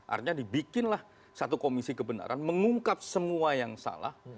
artinya dibikinlah satu komisi kebenaran mengungkap semua yang salah